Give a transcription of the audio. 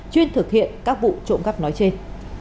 chuyên thực hiện các vụ trộm cắp nói trên